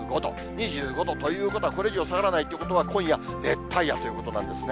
２５度ということは、これ以上下がらないということは、今夜、熱帯夜ということなんですね。